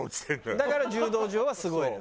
だから柔道場はすごいのよ。